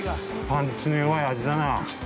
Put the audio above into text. パンチの弱い味だな。